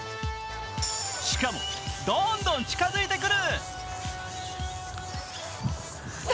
しかもどんどん近づいてくる。